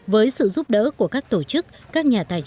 với sự giúp đỡ của các tổ chức các nhà tài trợ